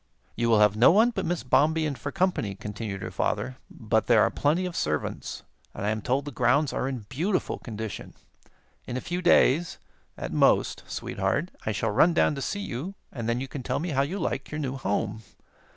"You will have no one but Miss Bombien for company," continued her father; "but there are plenty of servants, and I am told the grounds are in beautiful condition. In a few days, at most, Sweetheart, I shall run down to see you, and then you can tell me how you like your new home.